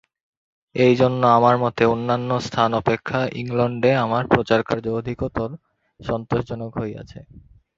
এই জন্য আমার মতে অন্যান্য স্থান অপেক্ষা ইংলণ্ডে আমার প্রচারকার্য অধিকতর সন্তোষজনক হইয়াছে।